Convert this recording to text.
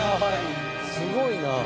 すごいなあ。